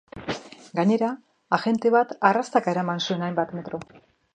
Gainera, agente bat arrastaka eraman zuen hainbat metro.